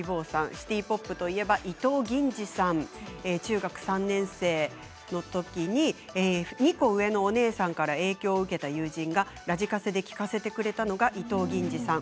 シティ・ポップといえば伊藤銀次さん中学３年生の時に２個上のお姉さんから影響を受けた友人がラジカセで聴かせてくれたのが伊藤銀次さん